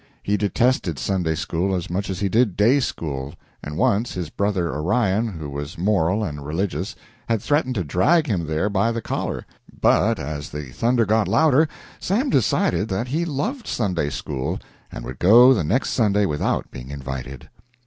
He detested Sunday school as much as he did day school, and once his brother Orion, who was moral and religious, had threatened to drag him there by the collar, but, as the thunder got louder, Sam decided that he loved Sunday school and would go the next Sunday without being invited.